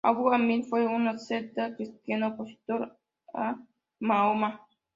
Abú Amir fue un asceta cristiano opositor a Mahoma.